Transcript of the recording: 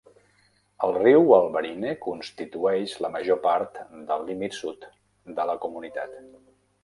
El riu Albarine constitueix la major part del límit sud de la comunitat.